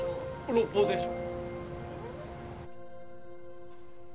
六法全書。